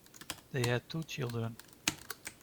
They have two children.